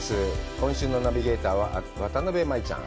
今週のナビゲーターは渡辺舞ちゃん。